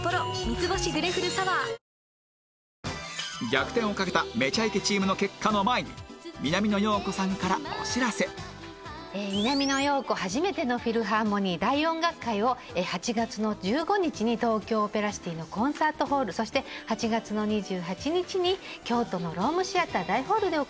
逆転をかけた『めちゃイケ』チームの結果の前に「南野陽子初めてのフィルハーモニー大音楽会」を８月の１５日に東京オペラシティのコンサートホールそして８月の２８日に京都のロームシアター大ホールで行います。